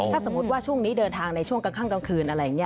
ถ้าสมมุติว่าช่วงนี้เดินทางในช่วงกลางข้างกลางคืนอะไรอย่างนี้